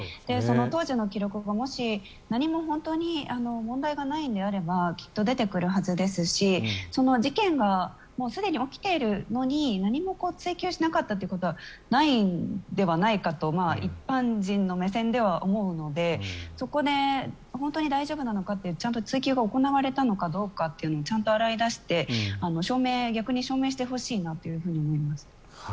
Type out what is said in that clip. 当時の記録がもし本当に問題がないのであれば出てくるはずですし事件がすでに起きているのに何も追及しなかったということはないのではないかと一般人の目線では思うのでそこで本当に大丈夫なのかというちゃんと追及が行われたのかどうかというのも洗い出して逆に証明してほしいなと思います。